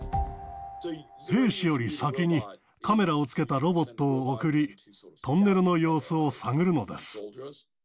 兵士より先にカメラをつけたロボットを送り、トンネルの様子を探るのです。